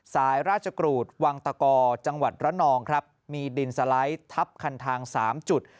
สายราชกรูดวังตะกอจังหวัดระนองครับมีดินสไลด์ทับคันทาง๓จุด